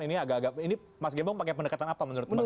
ini agak agak ini mas gembong pakai pendekatan apa menurut anda